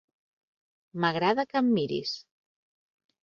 M'agrada que em miris.